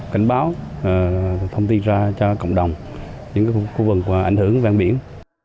cảnh báo thông tin ra cho cộng đồng những khu vực ảnh hưởng ven biển